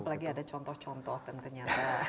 apalagi ada contoh contoh tentunya